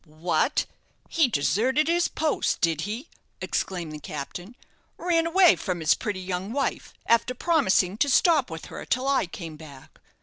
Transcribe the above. "What! he deserted his post, did he?" exclaimed the captain. "Ran away from his pretty young wife, after promising to stop with her till I came back!